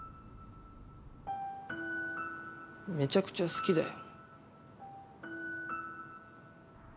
めちゃくちゃ好きだよ。